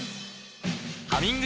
「ハミング」